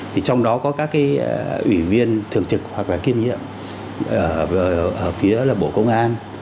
thì trong đó có các ủy viên thường trực hoặc là kiêm nhiệm ở phía bộ công an